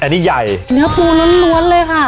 เนื้อปูน้วนเลยค่ะ